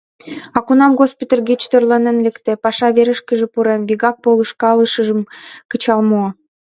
А кунам госпиталь гыч тӧрланен лекте, паша верышкыже пурен, вигак полышкалышыжым кычал муо.